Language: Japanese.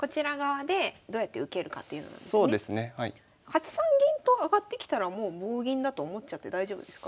８三銀と上がってきたらもう棒銀だと思っちゃって大丈夫ですか？